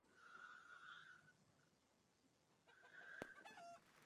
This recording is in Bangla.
এর প্রধান চিন্তাবিদ সাইয়েদ কুতুব বন্দী ও নির্যাতিত হন।